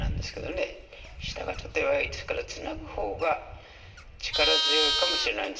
下がちょっと弱いですからツナぐ方が力強いかもしれないんですけど。